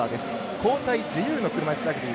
交代自由の車いすラグビー。